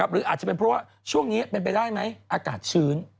หรืออาจจะเป็นเพราะว่าช่วงนี้เป็นไปได้ไหมอากาศชื้น